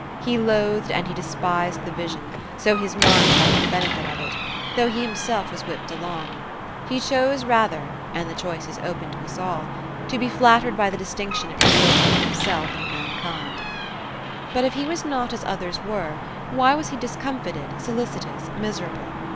He loathed and he despised the vision, so his mind had no benefit of it, though he himself was whipped along. He chose rather (and the choice is open to us all) to be flattered by the distinction it revealed between himself and mankind. But if he was not as others were, why was he discomfited, solicitous, miserable?